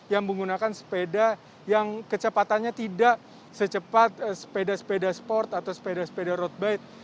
yang menggunakan sepeda yang kecepatannya tidak secepat sepeda sepeda sport atau sepeda sepeda road bike